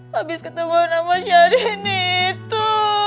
habis ketemu nama syahrini itu